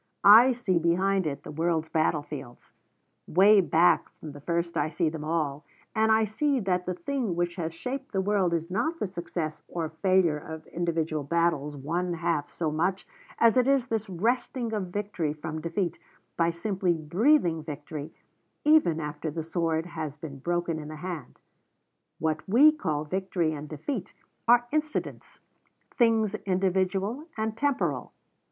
I see behind it the world's battlefields 'way back from the first I see them all, and I see that the thing which has shaped the world is not the success or failure of individual battles one half so much as it is this wresting of victory from defeat by simply breathing victory even after the sword has been broken in the hand. What we call victory and defeat are incidents things individual and temporal.